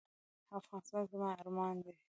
افغانستان زما ارمان دی